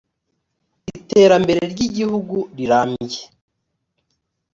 iterambere ry igihugu rirambye